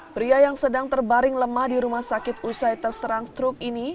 pria yang sedang terbaring lemah di rumah sakit usai terserang struk ini